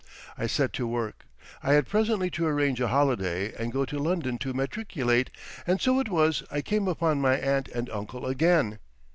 I set to work. I had presently to arrange a holiday and go to London to matriculate, and so it was I came upon my aunt and uncle again.